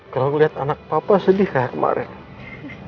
kalo ngeliat anak papa sedih kayak kemarin